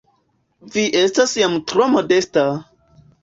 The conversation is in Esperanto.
Vi estas jam tro modesta!